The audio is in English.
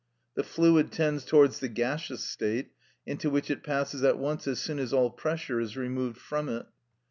The fluid tends towards the gaseous state, into which it passes at once as soon as all pressure is removed from it.